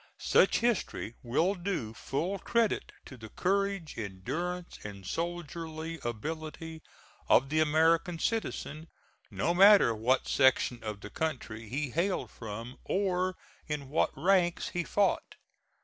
Such history will do full credit to the courage, endurance and soldierly ability of the American citizen, no matter what section of the country he hailed from, or in what ranks he fought.